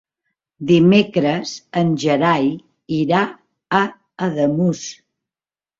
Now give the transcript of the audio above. Dimecres en Gerai irà a Ademús.